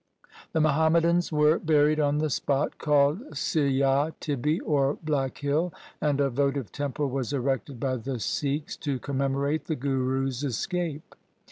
The Muhammadans were buried on the spot called Siyah Tibbi or black hill, and a votive temple was erected by the Sikhs to commemorate the Guru's escape.